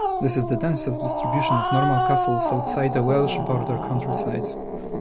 This is the densest distribution of Norman castles outside of the Welsh border countryside.